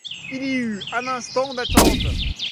Il y eut un instant d'attente.